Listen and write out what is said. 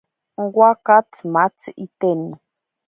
Waaka tsimatzi itene.